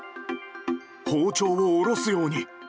包丁を下ろすように。